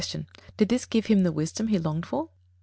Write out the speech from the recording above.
_Did this give him the wisdom he longed for?